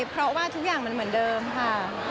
เพราะว่าทุกอย่างมันเหมือนเดิมค่ะ